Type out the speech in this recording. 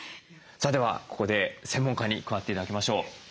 さあではここで専門家に加わって頂きましょう。